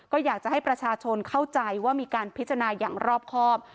ก็อยากจะให้ประชาชนเข้าใจว่ามีการพิจารณาอย่างรอบครอบ